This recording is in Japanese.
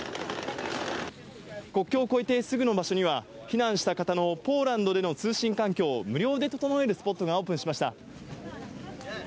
国境を越えてすぐの場所には避難した方のポーランドでの通信環境を無料で整えるスポットがオープンしました。